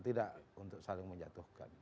tidak untuk saling menjatuhkan